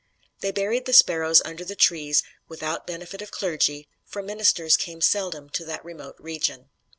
They buried the Sparrows under the trees "without benefit of clergy," for ministers came seldom to that remote region.